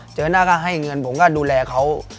เจอหน้าก็ให้เงินผมก็ดูแลเขา